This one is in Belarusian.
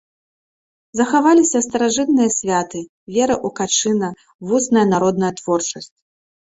Захаваліся старажытныя святы, вера ў качына, вусная народная творчасць.